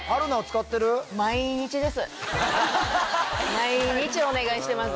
毎日お願いしてます。